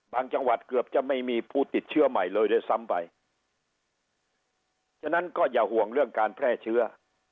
จังหวัดเกือบจะไม่มีผู้ติดเชื้อใหม่เลยด้วยซ้ำไปฉะนั้นก็อย่าห่วงเรื่องการแพร่เชื้อ